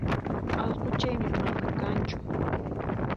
Allquchaymi mana kanchu